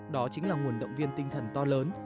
đó chính là nguồn động viên tinh thần to lớn